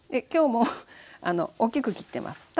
今日もう大きく切ってます。